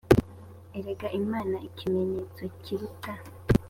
egera imana ikimenyetso kiruta